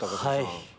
はい。